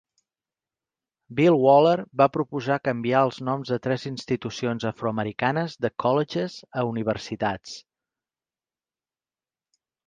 Bill Waller va proposar canviar els noms de tres institucions afroamericanes de "colleges" a "universitats".